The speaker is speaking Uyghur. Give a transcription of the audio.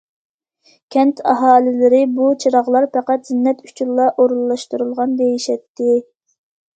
كەنت ئاھالىلىرى: بۇ چىراغلار پەقەت زىننەت ئۈچۈنلا ئورۇنلاشتۇرۇلغان، دېيىشەتتى.